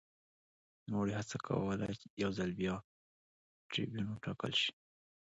نوموړي هڅه کوله یو ځل بیا ټربیون وټاکل شي